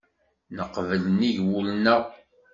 Neqbel nnig wul-nneɣ.